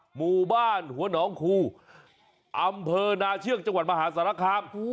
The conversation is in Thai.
หมู่บ้านหัวหนองคูอำเภอนาเชือกจังหวัดมหาสารคาม